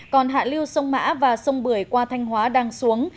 còn hạ lưu sông mã và sông bưởi qua thanh hóa đang xuống